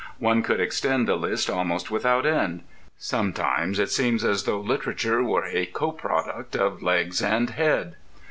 One could extend the list almost without end. Sometimes it seems as though literature were a co product of legs and head.